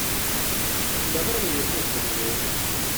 mumbabarire ntacyo nabonye